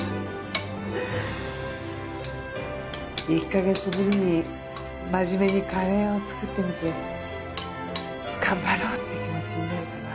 １カ月ぶりに真面目にカレーを作ってみて頑張ろうって気持ちになれたわ。